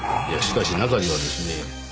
いやしかし中にはですね